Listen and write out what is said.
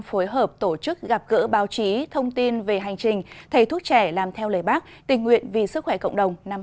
phối hợp tổ chức gặp gỡ báo chí thông tin về hành trình thầy thuốc trẻ làm theo lời bác tình nguyện vì sức khỏe cộng đồng năm hai nghìn hai mươi bốn